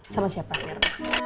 sama siapa mirna